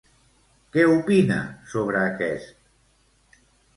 Què opina sobre aquest?